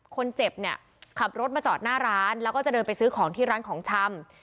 คนเจ็บเนี่ยขับรถมาจอดหน้าร้านแล้วก็จะเดินไปซื้อของที่ร้านของชำ